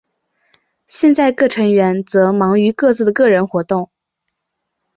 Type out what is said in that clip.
现在各成员则忙于各自的个人活动。